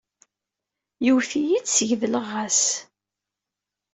Yewwet-iyi-d, sgedleɣ-as.